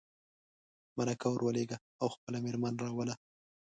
مرکه ور ولېږه او خپله مېرمن راوله.